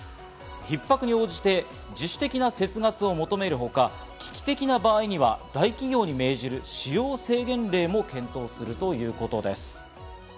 ひっ迫に応じて自主的な節ガスを求めるほか、危機的な場合には、大企業に命じる使用制限令も検討するということです。